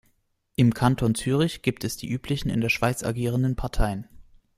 Im Kanton Zürich gibt es die üblichen in der Schweiz agierenden Parteien.